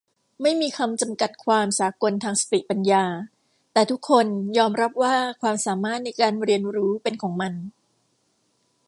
ไม่มีคำจำกัดความสากลทางสติปัญญา แต่ทุกคนยอมรับว่าความสามารถในการเรียนรู้เป็นของมัน